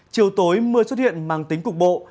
chiều tối mưa xuất hiện mang tính cục bộ